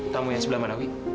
kamu yang sebelah mana wi